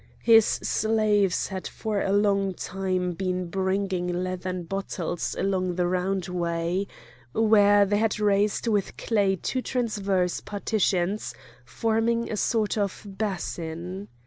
His slaves had for a long time been bringing leathern bottles along the roundway, where they had raised with clay two transverse partitions forming a sort of basin.